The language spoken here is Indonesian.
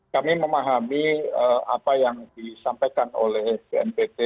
kami memahami apa yang disampaikan oleh bnpt